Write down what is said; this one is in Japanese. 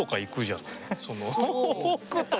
その億とか。